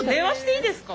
いいですか？